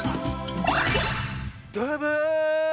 どうも。